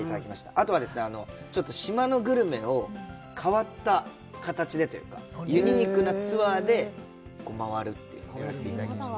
あとはですね、ちょっと島のグルメを変わった形でというか、ユニークなツアーで回るというのをやらせていただきました。